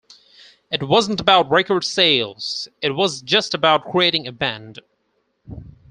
It wasn't about record sales, it was just about creating a band.